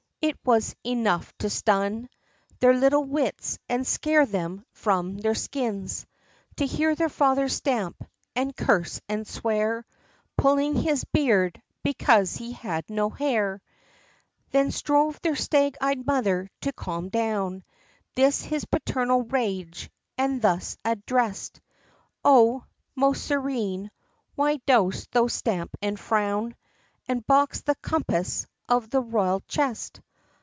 it was enough to stun Their little wits and scare them from their skins To hear their father stamp, and curse, and swear, Pulling his beard because he had no heir. IX. Then strove their stag eyed mother to calm down This his paternal rage, and thus addrest; "Oh! Most Serene! why dost thou stamp and frown, And box the compass of the royal chest?"